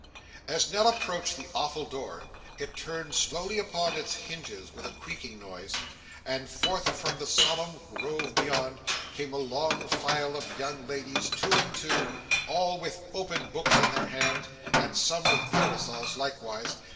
As Nell approached the awful door, it turned slowly upon its hinges with a creaking noise, and, forth from the solemn grove beyond, came a long file of young ladies, two and two, all with open books in their hands, and some with parasols likewise.